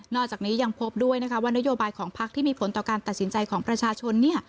จากนี้ยังพบด้วยนะคะว่านโยบายของพักที่มีผลต่อการตัดสินใจของประชาชน